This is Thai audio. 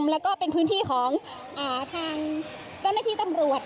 แล้วก็เป็นพื้นที่ของอ่าทางก็นักที่ตำรวจ